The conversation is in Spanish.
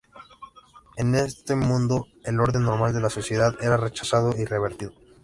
En este mundo, el orden normal de la sociedad era rechazado y revertido.